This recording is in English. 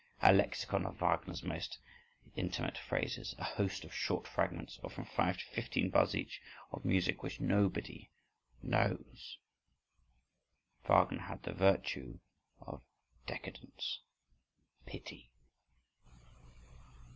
… A lexicon of Wagner's most intimate phrases—a host of short fragments of from five to fifteen bars each, of music which nobody knows.… Wagner had the virtue of décadents,—pity.